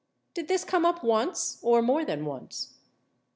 Did this come up once or more than once?